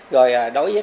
rồi đối với